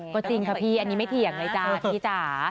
ก็จริงค่ะพี่อันนี้ไม่เถียงเลยจ้าพี่จ๋า